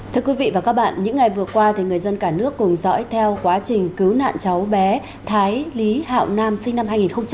thưa quý vị và các bạn những ngày vừa qua thì người dân cả nước cùng dõi theo quá trình cứu nạn cháu bé thái lý hạo nam sinh năm hai nghìn một mươi hai